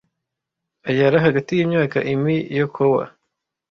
ayara hagati yimyaka imi yakowa